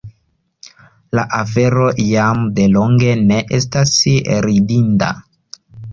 la afero jam delonge ne estas ridinda.